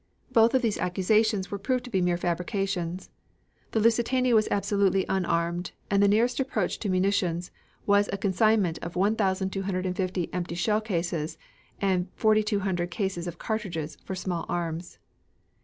Both of these accusations were proved to be mere fabrications. The Lusitania was absolutely unarmed and the nearest approach to munitions was a consignment of 1,250 empty shell cases and 4,200 cases of cartridges for small arms.